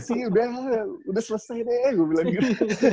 gak ngain sih udah selesai deh gue bilang gitu